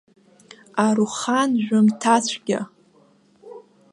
Арухан жәымҭацәгьа!